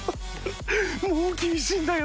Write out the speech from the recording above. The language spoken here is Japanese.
もう厳しいんだよ。